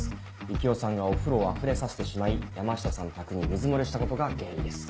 夕紀夫さんがお風呂をあふれさせてしまい山下さん宅に水漏れしたことが原因です。